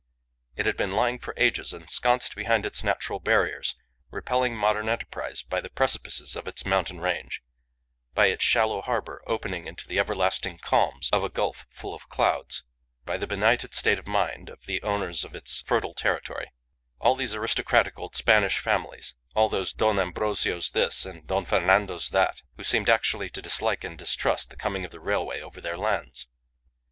It had been lying for ages ensconced behind its natural barriers, repelling modern enterprise by the precipices of its mountain range, by its shallow harbour opening into the everlasting calms of a gulf full of clouds, by the benighted state of mind of the owners of its fertile territory all these aristocratic old Spanish families, all those Don Ambrosios this and Don Fernandos that, who seemed actually to dislike and distrust the coming of the railway over their lands.